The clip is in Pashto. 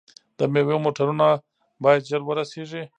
د میوو موټرونه باید ژر ورسیږي.